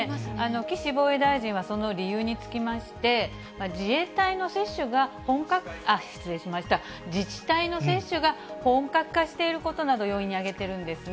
岸防衛大臣はその理由につきまして、自治体の接種が本格化していることなどを要因に挙げているんですね。